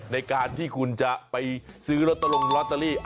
ในการที่คุณจะไปซื้อลอตลงลอตเตอรี่